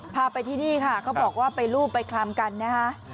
พาไปที่นี่ค่ะเขาบอกว่าไปรูปไปคลำกันนะคะ